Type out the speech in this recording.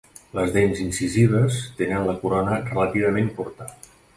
Les dents incisives tenen la corona relativament curta.